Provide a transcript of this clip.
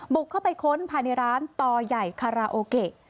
บุกเข้าไปค้นภายในร้านต่อใหญ่คาราโอเกะ